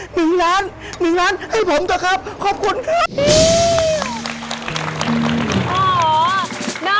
หนึ่งล้านหนึ่งล้านให้ผมเถอะครับขอบคุณครับ